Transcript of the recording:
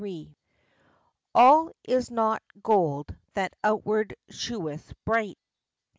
"All is not golde that outward shewith bright."